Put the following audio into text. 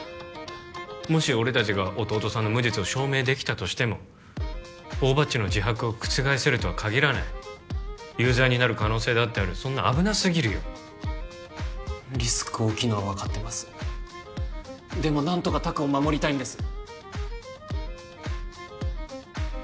もし俺達が弟さんの無実を証明できたとしても大庭っちの自白を覆せるとは限らない有罪になる可能性だってあるそんな危なすぎるよリスク大きいのは分かってますでも何とか拓を守りたいんです